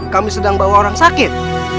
kami sedang bawa orang sakit